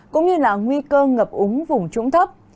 cũng như là nguy cơ ngập úng vùng trũng thấp